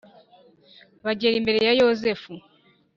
bagera imbere ya Yozefu